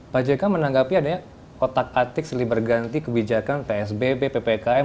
pak jk menanggapi adanya otak atik seling berganti kebijakan psbb ppkm